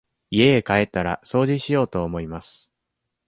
家へ帰ったら、掃除しようと思います。